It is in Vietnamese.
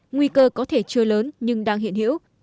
nguy cơ có thể chưa lớn nhưng đang hiện hữu